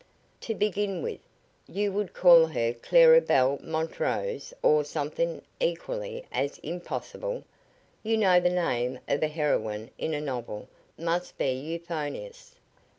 "To begin with, you would call her Clarabel Montrose or something equally as impossible. You know the name of a heroine in a novel must be euphonious.